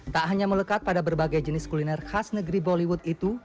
tak hanya melekat pada berbagai jenis kuliner khas negeri bollywood itu